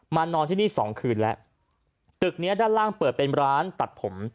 นอนที่นี่สองคืนแล้วตึกเนี้ยด้านล่างเปิดเป็นร้านตัดผม